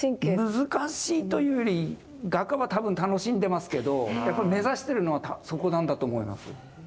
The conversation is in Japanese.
難しいというより画家は多分楽しんでますけどやっぱ目指してるのはそこなんだと思います。